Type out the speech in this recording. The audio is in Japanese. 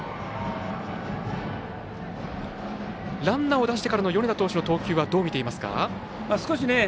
ランナーを出してからの米田投手の投球はどう見ていますか？